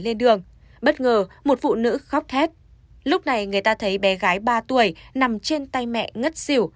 lên đường bất ngờ một phụ nữ khóc thét lúc này người ta thấy bé gái ba tuổi nằm trên tay mẹ ngất xỉu